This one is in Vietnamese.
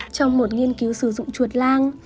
trong một nghiên cứu sử dụng chuột lang